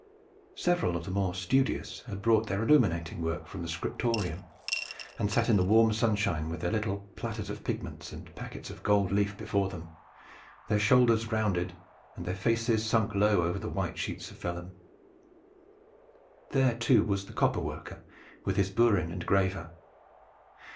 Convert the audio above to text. Several of the more studious had brought their illuminating work from the scriptorium, and sat in the warm sunshine with their little platters of pigments and packets of gold leaf before them, their shoulders rounded and their faces sunk low over the white sheets of vellum. There too was the copper worker with his burin and graver.